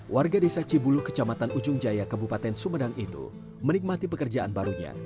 warga desa cibulu kecamatan ujung jaya kabupaten sumedang itu menikmati pekerjaan barunya